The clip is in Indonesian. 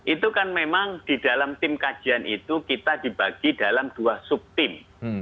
itu kan memang di dalam tim kajian itu kita dibagi dalam dua subtim